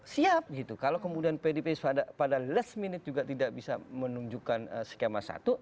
siap gitu kalau kemudian pdip pada last minute juga tidak bisa menunjukkan skema satu